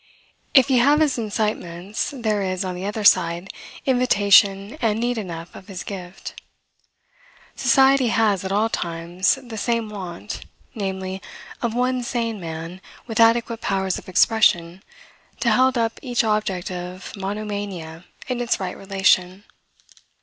If he have his incitements, there is, on the other side, invitation and need enough of his gift. Society has, at all times, the same want, namely, of one sane man with adequate powers of expression to held up each object of monomania in its right relation.